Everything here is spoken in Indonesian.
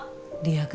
sopi benci sama atu